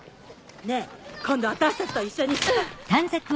ねぇ今度私たちと一緒に。